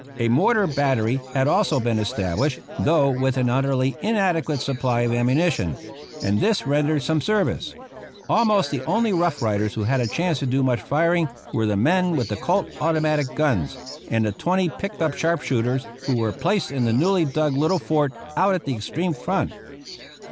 A mortar battery had also been established, though with an utterly inadequate supply of ammunition, and this rendered some service. Almost the only Rough Riders who had a chance to do much firing were the men with the Colt automatic guns, and the twenty picked sharp shooters, who were placed in the newly dug little fort out at the extreme front.